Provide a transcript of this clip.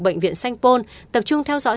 bệnh viện sanh vôn tập trung theo dõi